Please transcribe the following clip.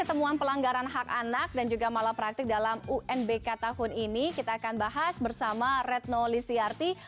temuan pelanggaran hak anak dan juga malapraktik dalam unbk tahun ini kita akan bahas bersama retno listiarti